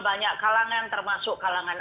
banyak kalangan termasuk kalangan